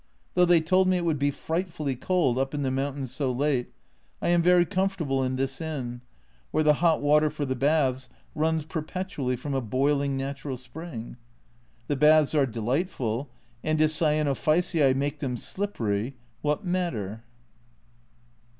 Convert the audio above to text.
Though they told me it would be frightfully cold up in the mountains so late, I am very comfortable in this inn, where the hot water for the baths runs perpetually from a boiling natural spring. The baths are delightful, and if cyano phyceae make them slippery, what matter?